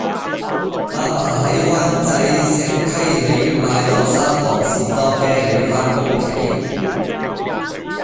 亞爸喺灣仔石溪里買左三磅士多啤梨返屋企